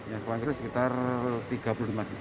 yang paling kecil sekitar tiga puluh lima juta